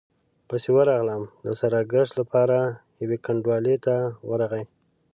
پسې ورغلم، د ساراګشت له پاره يوې کنډوالې ته ورغی،